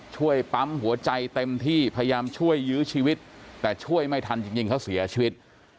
ช่วยปั๊มหัวใจเต็มที่พยายามช่วยยื้อชีวิตแต่ช่วยไม่ทันจริงเขาเสียชีวิต